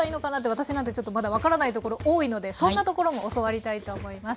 私なんてちょっとまだ分からないところ多いのでそんなところも教わりたいと思います。